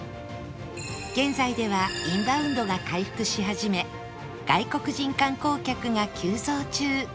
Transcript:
現在ではインバウンドが回復し始め外国人観光客が急増中